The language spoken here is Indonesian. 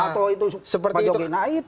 atau itu pak jokowi naik